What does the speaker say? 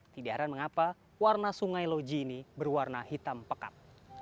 biaran mengapa warna sungai loji ini berwarna hitam pekat